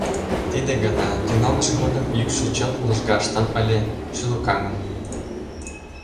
Тиде гана тӱҥалмыж годым йӱкшӧ чылт лыжгаштын ыле, шӱлыкаҥын: